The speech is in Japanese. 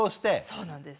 そうなんです。